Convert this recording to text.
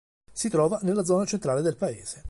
Si trova nella zona centrale del Paese.